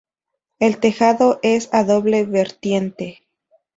El tejado es a doble vertiente.